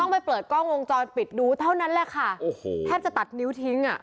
ไปเปิดกล้องวงจรปิดดูเท่านั้นแหละค่ะโอ้โหแทบจะตัดนิ้วทิ้งอ่ะ